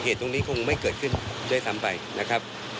ตรงนี้คงไม่เกิดขึ้นด้วยซ้ำไปนะครับ